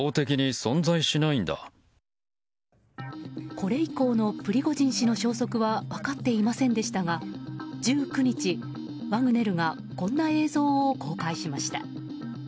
これ以降のプリゴジン氏の消息は分かっていませんでしたが１９日、ワグネルがこんな映像を公開しました。